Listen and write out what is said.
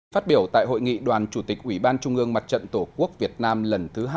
phát biểu tại hội nghị đoàn chủ tịch ủy ban trung ương mặt trận tổ quốc việt nam lần thứ hai